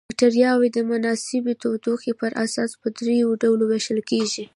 بکټریاوې د مناسبې تودوخې پر اساس په دریو ډلو ویشل کیږي.